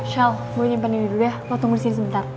shell gue nyimpen ini dulu ya lo tunggu di sini sebentar